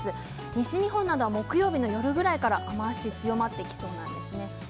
西日本などは木曜日の夜ぐらいから雨足が強まってきそうですね。